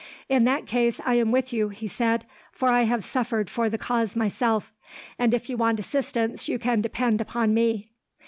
"'In that case, I am with you,' he said, 'for I have suffered for the cause myself; and if you want assistance, you can depend upon me.'